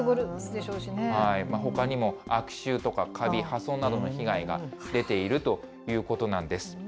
ほかにも悪臭とかかび、破損などの被害が出ているということなんです。